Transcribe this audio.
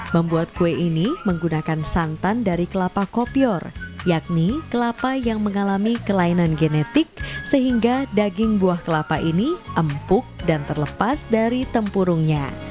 membuat kue ini menggunakan santan dari kelapa kopior yakni kelapa yang mengalami kelainan genetik sehingga daging buah kelapa ini empuk dan terlepas dari tempurungnya